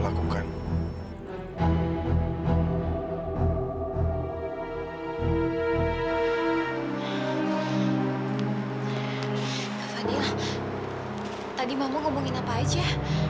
kak fadil tadi mama ngomongin apa aja